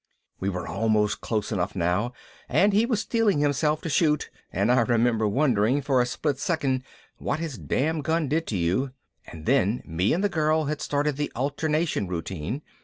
We were almost close enough now and he was steeling himself to shoot and I remember wondering for a split second what his damn gun did to you, and then me and the girl had started the alternation routine.